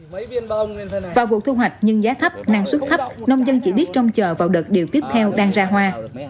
ngoài vụ thu hoạch nhưng giá thấp năng suất thấp nông dân chỉ biết trông chờ vào đợt điều tiếp theo đang ra hoa